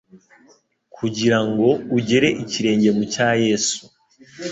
kugira ngo ugere ikirenge mu cya Yesu.